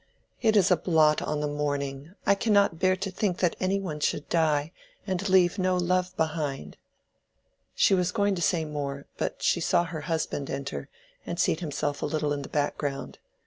It is a blot on the morning. I cannot bear to think that any one should die and leave no love behind." She was going to say more, but she saw her husband enter and seat himself a little in the background.